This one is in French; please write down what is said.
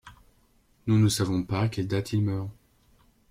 Nous ne savons pas à quelle date il meurt.